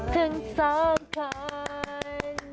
ขึ้งทองข้าย